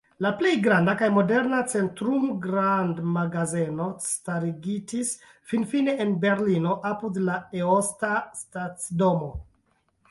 La plej granda kaj moderna Centrum-grandmagazeno starigitis finfine en Berlino apud la Eosta stacidomo.